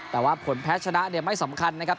แต่ว่าผลแพ้ชนะเนี่ยไม่สำคัญนะครับ